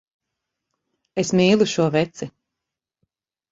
Es mīlu šo veci.